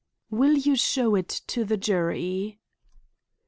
"Will you show it to the jury?"